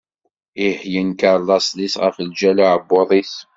Ih, yenker laṣel-is ɣef lǧal uɛebbuḍ-is.